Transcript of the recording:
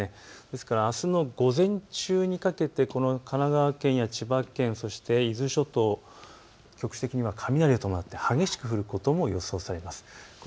ですからあすの午前中にかけて神奈川県や千葉県、そして伊豆諸島、局地的には雷を伴って激しく降ることも予想されます。